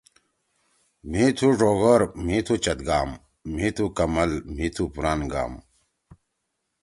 مھی تُھو ڙوگور مھی تُھو چت گام، مھی تُھو کمل مھی تُھو پُران گام